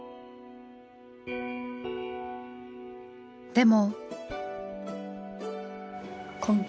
でも。